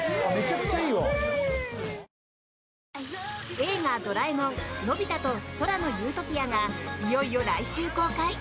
「映画ドラえもんのび太と空の理想郷」がいよいよ来週公開！